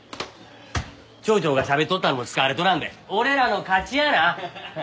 町長がしゃべっとったのも使われとらんで俺らの勝ちやな。ハハハ。